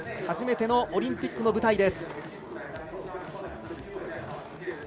初めてのオリンピックの舞台です。